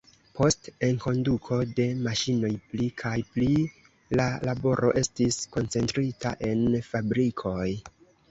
Post enkonduko de maŝinoj pli kaj pli la laboro estis koncentrita en fabrikoj.